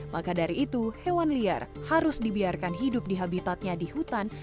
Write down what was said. maka dari itu hewan liar harus dibiarkan hidup di habitatnya di hutan